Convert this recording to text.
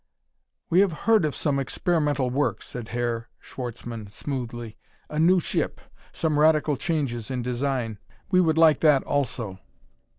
"We have heard of some experimental work," said Herr Schwartzmann smoothly. "A new ship; some radical changes in design. We would like that also."